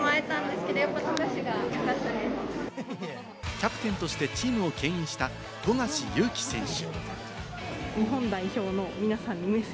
キャプテンとしてチームをけん引した富樫勇樹選手。